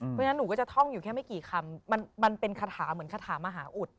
เพราะฉะนั้นหนูก็จะท่องอยู่แค่ไม่กี่คำมันเป็นคาถาเหมือนคาถามหาอุด